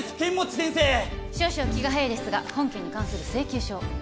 少々気が早いですが本件に関する請求書を。